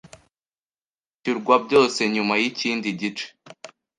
Nzishyurwa byose nyuma yikindi gice